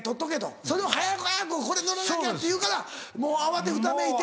それを「早く早くこれ乗らなきゃ」って言うからもう慌てふためいて。